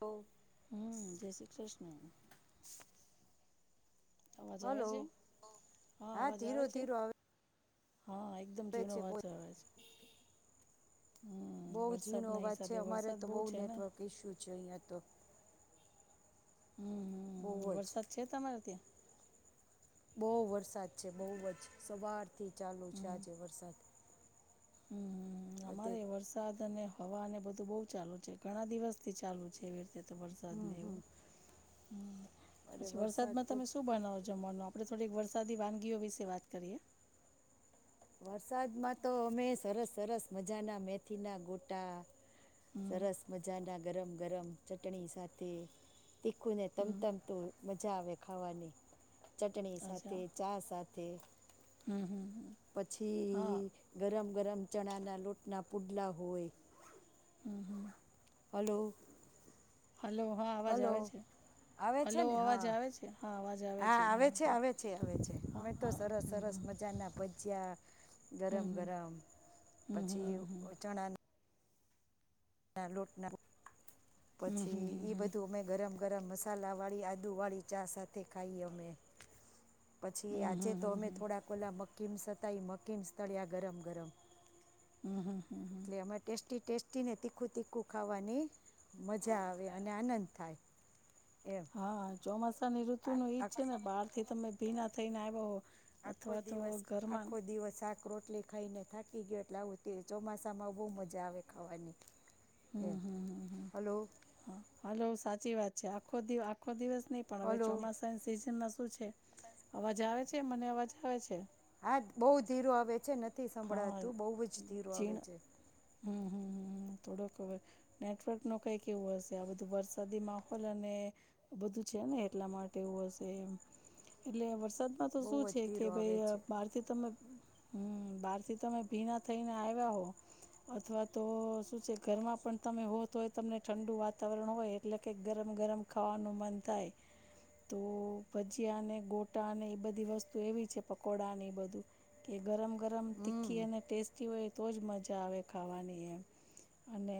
ઓ જય શ્રી કૃષ્ણ. અવાજ આવે હલો છે, હા અવાજ ધીરો આવે છે? ધીરો હા એકદમ આવે ઝીણો છે બહુ અવાજ આવે છે. હમ બઉુ ઝીણો વરસાદના અવાજ છે હિસાબે અમારે વરસાદ તો બહુ છે ને નેટવર્ક ઈશ્યુ છે અહિયાં તો. બહુ હમ જ વરસાદ છે તમારે ત્યાં? બહુ વરસાદ છે બહુ જ સવારથી ચાલુ છે આજે વરસાદ. હમ બધે અમારે એવું જ છે. વરસાદ અને હવાને બધું બહુ ચાલુ છે ઘણા દિવસથી ચાલુ છે. અરે વરસાદ વરસાદમાં તો તમે શું બનાવો જમવાનું? આપડે થોડીક વરસાદી વાનગીઓ વિશે વાત કરીએ. વરસાદમાં તો અમે સરસ સરસ મજાના મેથીના ગોટા હમ સરસ મજાના ગરમ ગરમ ચટણી સાથે તીખુંને તમતમતું મજા આવે ખાવાની ચટણી સાથે ચા સાથે. તે હમ હમ. પછી ગરમ ગરમ ચણાના લોટના પુડલા હોય. હમ હમ. હલો. હલો હા અવાજ આવે હલો છે. આવે છે હલો ને અવાજ હા આવે છે હા અવાજ હા આવે છે હા આવે છે આવે છે અમે તો હા સરસ સરસ મજા મજાના ભજીયા ગરમ ગરમ પછી ચાના લોટ ના પછી ઈ બધું અમે ગરમ ગરમ મસાલા વાળી આદુ વાળી ચા સાથે ખાઈએ અમે. પછી હમ આજે હમ તો હમ અમે હમ થોડા કોલા મકીમ્સ હતા એ મકિમ્સ તર્યા ગરમ ગરમ. હમ હમ હ. એ ટેસ્ટી ટેસ્ટી ને તીખું તીખું ખાવાની. મજા આવે અને આનંદ થાય. એમ હા ચોમાસા ની ઋતુ નું ઈજ છે ને બહાર થી તમે ભીના થઈને આવ્યા હો. આખો અથવા તો દિવસ ઘરમાં આખો દિવસ આ રોટલી ખાઈને થાકી ગયો એટલે આવું ચોમાસામાં બહુ મજા આવે ખાવાની. એ હલો. હ હલો સાચી વાત છે આખો આખો દિવસ નહી પણ હવે હલો ચોમાસા સીઝન ના શું છે અવાજ આવે છે મને અવાજ આવે છે. હા બહુ ધીરો આવે છે નથી હા સંભળાતું બહુ જ ધીરો આવે ઝીણ છે. હમ હમ હમ થોડક નેટવર્ક નું કઈ એવું હશે આ બધું વરસાદી માહોલ અને બધું છે ને એટલા માટે એવું હશે એટલે વરસાદમાં તો બહુ શું જ છે કે ધીરો આવે ભાઈ છે બહારથી તમે હમ. બહાર થી તમે ભીના થઈને આવ્યા હો. અથવા તો શું છે ઘરમાં પણ તમે હો તોય તમને ઠંડુ વાતાવરણ હોય એટલે કે ગરમ ગરમ ખાવાનું મન થાય. તો ભજીયાને ગોટાને એ બધી વસ્તુ એવી છે પકોડા એ બધું. કે ગરમ ગરમ હમ તીખી અને ટેસ્ટી હોય તોજ મજા આવે ખાવાની એમ. અને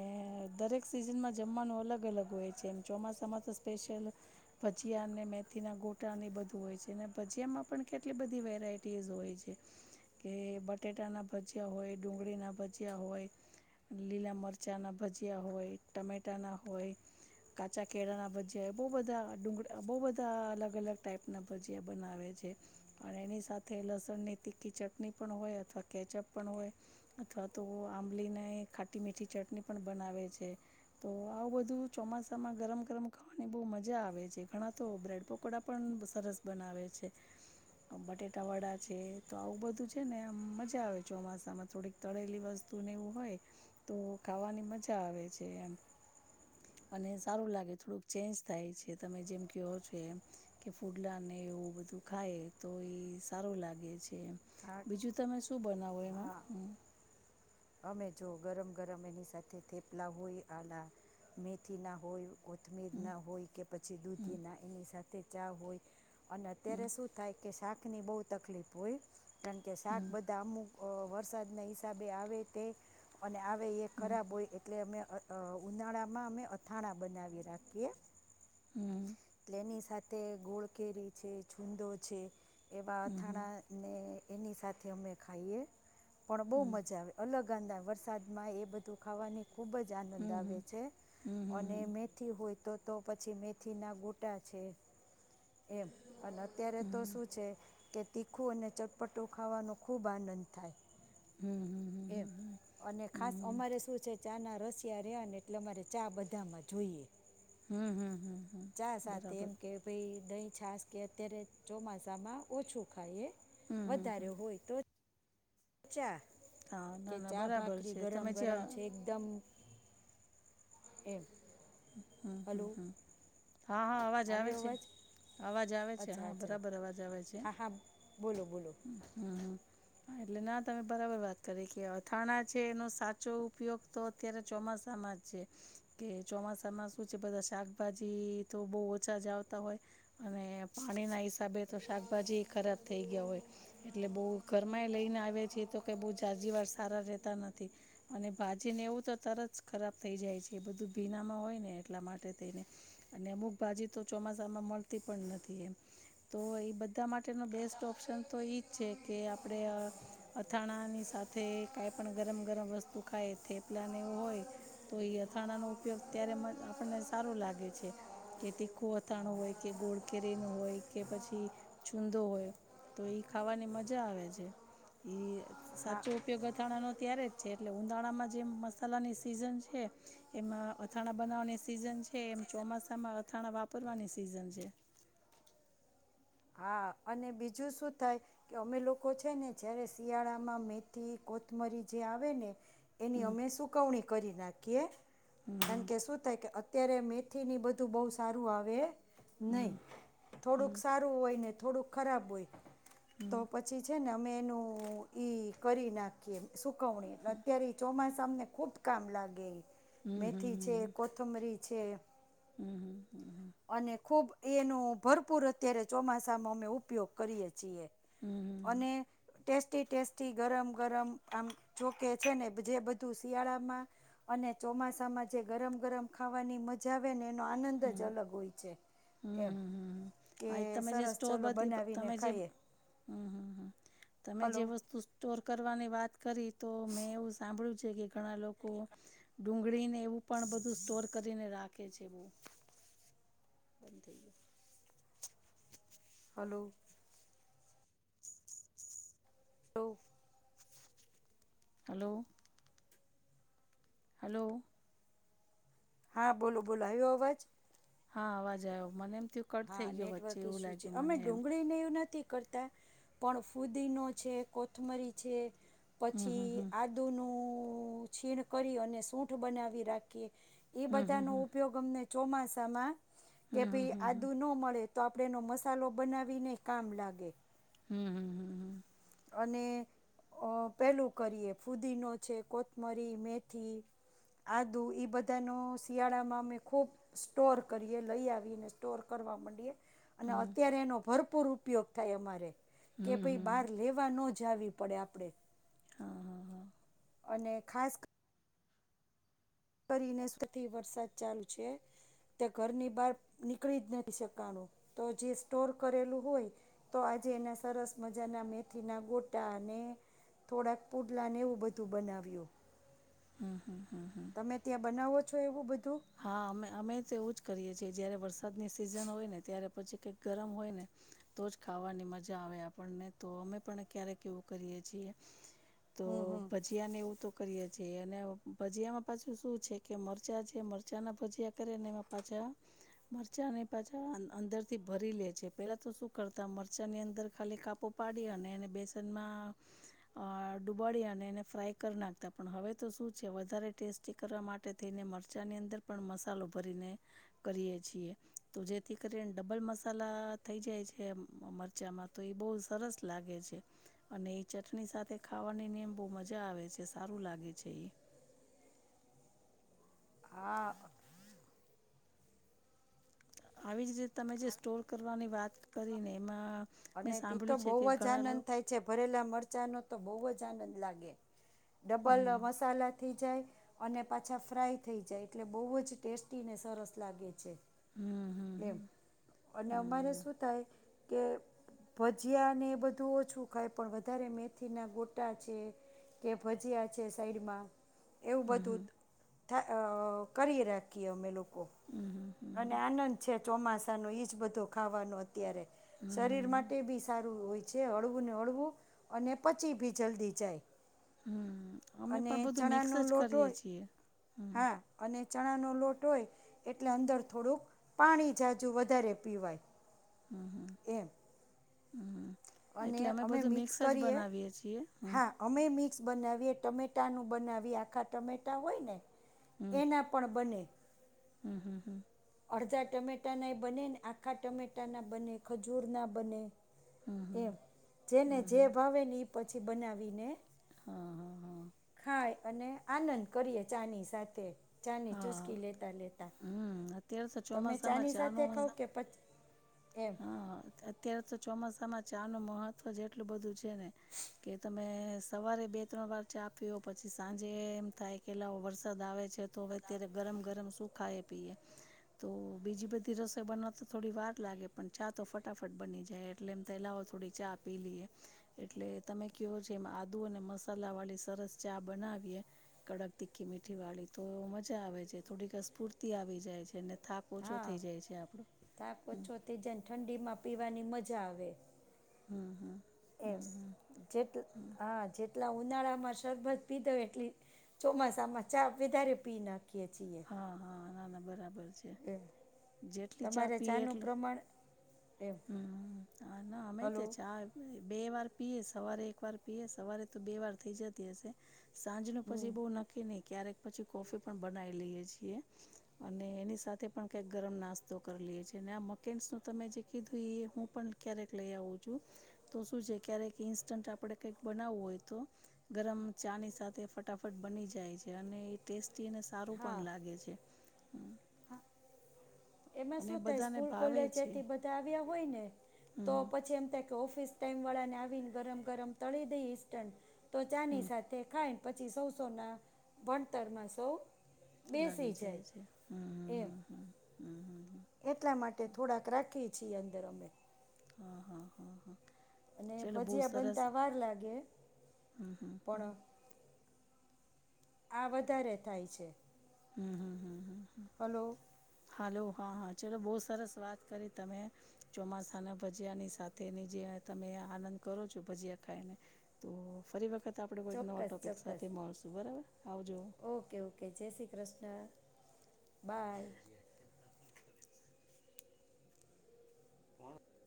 દરેક સિઝનમાં જમવાનું અલગ અલગ હોય છે એમ ચોમાસામાં તો સ્પેશિયલ ભજીયા અને મેથીના ગોટા બધું હોય છે ભજીયામાં પણ કેટલી બધી વેરાયટી હોય છે કે બટેટા ના ભજીયા હોય ડુંગળી ના ભજીયા હોય લીલા મરચાં ના ભજીયા હોય ટમેટા ના હોય કાચા કેળા ના ભજયા બહ બધા ડુંગળ બઉુ બધા અલગ અલગ ટાઈપના ભજીયા બનાવે છે અને એની સાથે લસણની તીકી ચટણી પણ હોય અથવા કેચઅપ પણ હોય. અથવા તો આંબલીને ખાટી મીઠી ચટણી પણ બનાવે છે. તો આવું બધું ચોમાસામાં ગરમ ગરમ ખાવાની બહુ મજા આવે છે ઘણા તો બ્રેડ પકોડા પણ સરસ બનાવે છે. બટેટા વડા છે તો આવું બધું છે ને મજા આવે ચોમાસામાં થોડીક તળેલી વસ્તુ ને એવું હોય. તો ખાવાની મજા આવે છે એમ. અને સારું લાગે થોડુંક ચેન્જ થાય છે તમે જેમ કેવો છો એમ કે ફૂડલા ને એવું બધું ખાય તો એ સારું લાગે છે એમ હા બીજું તમે શું બનાવો એમાં હા હમ્મ અમે જો ગરમ ગરમ એની સાથે થેપલા હોય આના મેથીના હોય કોથમીરના હમ હોય કે પછી દૂધીના એની સાથે ચા હોય અને અત્યારે હમ શું થાય કે શાકની બહુ તકલીફ હોય કારણ કે શાક હમ બધા અમુક અ વરસાદના હિસાબે આવે તે અને આવે એ હમ ખરાબ હોય. એટલે અમે અ ઉનાળામાં અમે અથાણા બનાવી રાખીએ. હમ્મ. એટલે એની સાથે ગોળ કેરી છે છુંંદો છે એવા હમ અથાણા ને એની સાથે અમે ખાઈએ. પણ બહુ હમ મજા આવે અલગ આંદ વરસાદમાં એ બધું ખાવાની ખૂબ જ આનંદ આવે હમ છે હમ હમ હમ અને મેથી હોય તો તો પછી મેથીના ગો ટા છે એમ અને અત્યારે તો શું છે કે તીખું અને ચટપટું ખાવાનો ખૂબ આનંદ થાય. હમ્મ હમ્મ એમ અને ખાસ અમારે શું છે ચા ના રશિયા રયા ને એટલે અમારે ચા બધામાં જોઈએ. હમ હમ હમ હમ ચા સાથે બરાબર એમ કે ભાઈ દહીં છાસ કે અત્યારે ચોમાસામાં ઓછું ખાઈએ. હમ હમ વધારે હમ હોય તોજ ચા હા કે ના ના ચા બરાબર ભાખરી છે ગરમ તમે જે ગરમ છે એક દમ એમ હમ હમ હમ હા હા અવાજ આવે છે અવાજ અવાજ આવે છે અચ્છા હા અચ્છા બરાબર અવાજ આવે છે હા હા બોલો બોલો હમ્મ હા એટલે ના તમે બરાબર વાત કરી કે અથાણા છે એનો સાચો ઉપયોગ તો અત્યારે ચોમાસામાં છે કે ચોમાસામાં શું છે બધા શાકભાજી તો બહુ ઓછા જ આવતા હોય. અને પાણી ના હિસાબે તો શાકભાજી ખરાબ થઇ ગયા હોય. એટલે બહુ ઘરમાં લઈને આવ્યા છીએ તો કઈ બહુ જાજી વાર સારા રહેતા નથી. અને ભાજી ને એવું તો તરત ખરાબ થઈ જાય છે બધું ભીનામાં હોય ને એટલા માટે થઈને. અને અમુક ભાજી તો ચોમાસામાં મળતી પણ નથી એમ. તો એ બધા માટેનો બેસ્ટ ઓપ્શન તો એઈજ છે કે આપણેે અથાણાની સાથે કઈ પણ ગરમ ગરમ વસ્તુ ખાય થેપલા ને એવું હોય તો એ અથાણા નો ઉપયોગ ત્યારે આપણને સારું લાગે છે. કે તીખું અથાણું હોય કે ગોળ કેરીનું હોય કે પછી છુંદો હોય. તો ઈ ખાવાની મજા આવે છે, ઈ હા સાચો ઉપયોગ અથાણાનો ત્યારે જ છે એટલે ઉનાળામાં જે મસાલાની સિઝન છે, એમાં અથાણા બનાવવાની સિઝન છે, એમ ચોમાસામાં અથાણા વાપરવાની સિઝન છે, હા, અને બીજું શું થાય કે અમે લોકો છે, ને જયારે શિયાળામાં મેથી કોથમરી જે આવે ને એની હમ અમે સુકવણી કરી નાખીએ હમ કારણ હમ કે શું થાય, કે અત્યારે મેથીની બધું બહુ સારું આવે નહીં, થોડુંક હારુ હોય થોડું ખરાબ હોય તો પ પછી છે ને અમે એનું કરી નાખીએ, કવણી એટલે અત્યારે ચોમાસા અમને ખૂબ કામ લાગે મેથી છે, કોતમરી છે. હમ્મ હમ્મ અને ખુબ એનું ભરપૂર અત્યારે ચોમાસામાં અમે ઉપયોગ કરીએ છીએ, અને ટેસ્ટી ટેસ્ટી ગરમ ગરમ આમ જોકે છે, ને જે બધું શિયાળામાં અને ચોમાસામાં જે ગરમ ગરમ ખાવાની મજા આવે ને એનો આનંદ જ અલગ હોય છે, એમ કે આ ઈ તમે જે સરસ ચલો બનાવીને ખાઈએ. હમ્મ હમ્મ હા તમે જે હલો વસ્તુ સ્ટોર કરવાની વાત કરી તો મેં એવું સાંભળ્યું છે, કે ઘણા લોકો ડુંગળીને એવું પણ બધું સ્ટોર કરીને રાખે છે, બ બંધ થઈ ગયો. હલો. લો. હલો. હલો. હા, બોલો બોલો આવ્યો અવાજ. હા, અવાજ આવ્યો મને એમ કટ હા, થઈ ગયો વચ્ચે નેટવર્ક એવું શું છે લાગ્યું અમે મને એમ ડુંગળી ને એવું નથી કરતા, પણ ફુદીનો છે, કોથમરી છે, હમ હમ પછી હમ આ દુનું છીણ કરી અને સૂઠ બનાવી રાખીએ, એ હમ બધાનો હમ ઉપયોગ અમને ચોમાસામાં કે હમ હમ ભાઈ, હમ આદુ ન મળે તો આપડનો મસાલો બનાવીને કામ લાગે, હમ્મ હમ્મ હમ્મ હમ્મ અને અ પેલું કરીએ ફુદીનો છે, કોથમરી, મેથી, આદુ, એ બધાનો શિયાળામાં અમે ખૂબ સ્ટોર કરીએ, લઈ આવીને સ્ટોર કરવા માંડીએ હમ અને હમ અત્યારે એનો ભરપૂર ઉપયોગ થાય, અમારે કે હમ ભાઈ હમ બાર લેવા ન જવી પડે આપણે. હા હા હા. અને ખાસ કરીને સૌથી વરસાદ ચાલુ છે. તે ઘરની બહાર નીકળી જ નથી શકાણું તો જે સ્ટોર કરેલું હોય, તો આજે એના સરસ મજાના મેથીના ગોટા અને થોડાક પૂડલાને એવું બધું બનાવ્યું. હમ્મ હમ્મ હમ્મ હમ્મ તમે ત્યાં બનાવો છો એવું બધું. હા, અમે અમે તો એવું જ કરીએ છીએ જયારે વરસાદની સિઝન હોય ને ત્યારે પછી કંઈક ગરમ હોય ને તો જ ખાવાની મજા આવે, આપણને તો અમે પણ ક્યારેક એવું કરીએ છીએ. તો હમ હમ ભજીયા ને એવું તો કરીએે છીએ, અને ભજીયામાં પાછું શું છે કે મરચાં છે મ ચા ના ભજયા કરે ને પાછા મરચાંને પાછા અંદર થી ભરી લે છે પેલા તો શું કરતા મરચાં ની અંદર ખાલી કાપો પાડી અને અને એને બેસનમાં અ ડુબાડી અને એને ફ્રાય કરી નાખતા પણ હવે તો શું છે વધારે ટેસ્ટી કરવા મા ટે થઈને મરચાં ની અંદર પણ મસાલો ભરીને કરીએ છીએ તો જેથી કરીને ડબલ મસાલા થઈ જાય છે મરચામાં તો એ બહુ સરસ લાગે છે. અને એ ચટણી સાથે ખાવાની ને એમ બહુ મજા આવે છે સારું લાગે છે એ. હા. આવી જ રીતે તમે જે સ્ટોર કરવાની વાત કરીને એમાં મેં અને તી તો સાંભળ્યું છે બહુ કે જ ઘણા આનંદ લોકો થાય છે ભરેલા મરચાં નો તો બહુ જ આનંદ લાગે ડબલ હમ મસાલા થઈ જાય અને પાછા ફ્રાય થઈ જાય એટલે બહુ જ ટેસ્ટીને સરસ લાગે છે. હમ એમ હમ અને અમારે હમ શું થાય કે ભજીયા ને બધું ઓછું ખાય પણ વધારે મેથી ના ગોટા છે, કે ભજીયા છે સાઈડ માં એવું હમ બધું ત હમ થા કરી રાખીએ અમે લો કો હમ હમ અને હમ આનંદ છે ચોમાસાનો ઈ જ બધો ખાવાનો અત્યારે. હમ. શરીર માટે બી સારું હોય છે હળવું ને હળવું અને પછી બી જલ્દી જાય. હમ અને ચણા નો લોટ હોય. એ હ હા અને ચણા નો લોટ હોય એટલે અંદર થોડુંક પાણી જાજુ વધારે પીવાય. હમ હમ એમ હમ એટલે અમે બધું મિક્સ જ બનાવીય છીએ હમ. હા અમે મિક્સ બનાવીએ ટમેટાનું બનાવીએ આખા ટમેટા હોય ને. હમ એના પણ બને. હમ હમ હમ અડધા ટમેટા ના એ બને ને આખા ટમેટા ના બને ખજૂર ના બને. હમ એમ હમ જેને હમ જે હમ ભાવે ને એ પછી બનાવી ને હા હા હા ખાય અને આનંદ કરીએ ચાની સાથે ચાની હા ચૂસકી લેતાં લેતાં. હમ અત્યારે તો ચોમાસામાં ચાનું ખાવ કે પચ હા અત્યારે તો ચોમાસામાં ચા નું મહત્વ જેટલું બધું છે ને કે તમે સવારે બે ત્રણ વાર ચા પીઓ પછી સાંજે એમ થાય કે લાવો વરસાદ આવે છે. તો હવે ત્યારે ગરમ ગરમ શું ખાઈએ પીએ. તો બીજી બધી રસોઈ બનાવવા તો થોડી વાર લાગે પણ ચા તો ફટાફટ બની જાય એટલે એમ તોલાવ થોડી ચા પી લઈએ. એટલે તમે કેવો છે એમાં આદુ અને મસાલા વાળી સરસ ચા બનાવીએ. કડક તીખી મીઠી વાળી તો એ મજા આવે છે થોડીક અ સ્ફૂર્તિ આવી જાય છે અને થાક ઓછો થઇ જાય છે આપડો હમ. તે જેને ઠંડીમાં પીવાની મજા આવે. હમ હમ હમ એમ હમ જેટ હમ હા જેટલા ઉનાળામાં શરબત પીધો એટલી. ચોમાસામાં ચા વધારે પી નાખીએ છીએ. હા હા નાના બરાબર છે એમ જેટલી ચા તમારે પીએ ચાનું એટલું. પ્રમાણ એમ હમ હ ના અમે તે હલો ચા. બે વાર પીએ સવારે એક વાર પીએ સવારે તો બે વાર થઇ જતી હશે. સાંજ ન હમ પછી બહુ નક્કી નહી ક્યારેક પછી કોફી પણ બનાવી લઈએ છીએ. અને એની સાથે પણ કઈક ગરમ નાસ્તો કરી લએ છે અને આ મકેન્સ નું તમે જે કીધું એ હું પણ ક્યારેક લઈ આવું છુ તો શું છે ક્યારેક ઈન્સ્ટન્ટ આપડે કઈક બનાવવું હોય તો. ગરમ ચા ની સાથે ફટાફટ બની જાય છે અને એ ટેસ્ટી અને સાર પણ હા લાગે છે. એમાં અને શું થાય બધાને સ્કૂલ ભાવે છે કોલેજથી બધા આવ્યા હોય ને તો હમ પછી એમ થાય તો ઓફિસ ટાઈમવાળાને આવીને ગરમ ગરમ તળી દઈ ઇસ્ટન તો ચાની હમ સાથે ખાય. પછી સૌ સો ના ભણતર માં સૌ લાગી જાય છે. એમ એટલા માટે થોડાક રાખીએ છીએ અંદર અમે. હા હા હા હા. અને ચલો બહુ ભજીયા સરસ. બનતા વાર લાગે પણ આ વધારે થાય છે. હમ હમ હમ હમ હમ. હલો. હાલો હા હા ચલો બહુ સરસ વાત કરી તમે. ચોમાસાના ભજીયાની સાથેની જે તમે આનંદ કરો છો ભજીયા ખાઈને. તો ફરી વખત આપડે કોઈક નવા ચોક્કસ ટોપિક ચોક્કસ સાથે મળશું બરાબર આવજો. ઓકે ઓકે જય શ્રી કૃષ્ણ બાય.